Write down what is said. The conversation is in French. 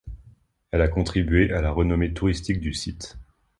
Elle a contribué à la renommée touristique du site.